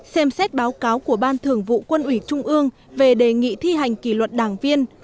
xem xét báo cáo của ban thường vụ quân ủy trung ương về đề nghị thi hành kỷ luật đảng viên